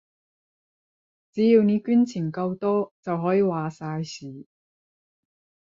只要你捐錢夠多，就可以話晒事